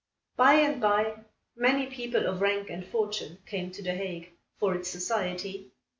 By and by, many people of rank and fortune came to The Hague, for its society.